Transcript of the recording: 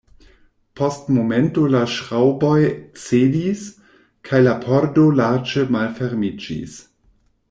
Post momento la ŝraŭboj cedis, kaj la pordo larĝe malfermiĝis.